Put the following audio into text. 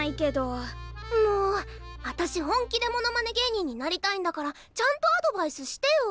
もうわたし本気でモノマネ芸人になりたいんだからちゃんとアドバイスしてよ。